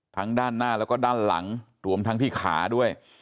ด้านหน้าแล้วก็ด้านหลังรวมทั้งที่ขาด้วย